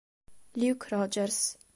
Luke Rodgers